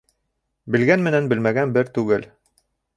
Белгән менән белмәгән бер түгел.